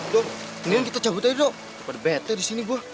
duh mendingan kita cabut aja dong padahal bete disini gue